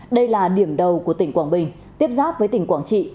đây là điểm đầu của tỉnh quảng bình tiếp giáp với tỉnh quảng trị